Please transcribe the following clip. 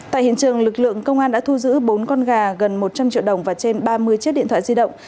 tại hiện trường lực lượng công an đã thu giữ bốn con gà gần một trăm linh triệu đồng và trên ba mươi chiếc điện thoại di động